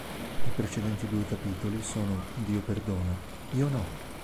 I precedenti due capitoli sono "Dio perdona... io no!